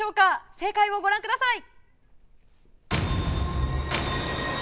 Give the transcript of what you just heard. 正解をご覧ください。